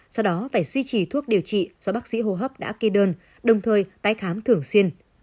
sau đó phải duy trì thuốc điều trị do bác sĩ hô hấp đã kê đơn đồng thời tái khám thường xuyên